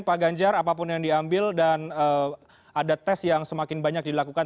pak ganjar apapun yang diambil dan ada tes yang semakin banyak dilakukan